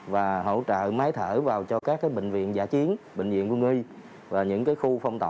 và hỗ trợ máy thở vào cho các cái bệnh viện giả chiến bệnh viện quân uy và những cái khu phong tỏ